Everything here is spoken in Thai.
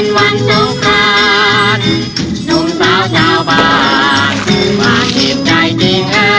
โปรดติดตามตอนต่อไป